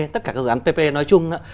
tất cả các dự án pp nói chung